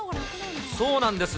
そうなんです。